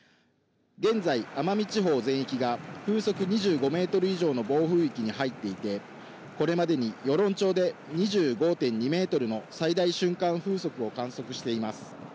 現在、奄美地方全域が風速２５ｍ以上の暴風域に入っていて、これまでに与論町で２５．２ｍの最大瞬間風速を観測しています。